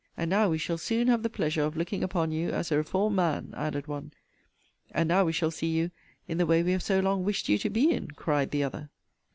And now we shall soon have the pleasure of looking upon you as a reformed man, added one! And now we shall see you in the way we have so long wished you to be in, cried the other!